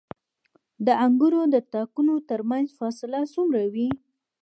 د انګورو د تاکونو ترمنځ فاصله څومره وي؟